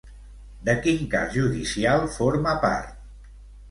De quin cas judicial forma part?